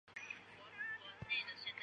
他是前白礼顿球员及领队的哥哥。